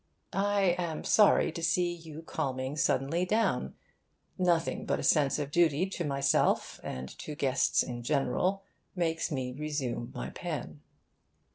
I am sorry to see you calming suddenly down. Nothing but a sense of duty to myself, and to guests in general, makes me resume my pen.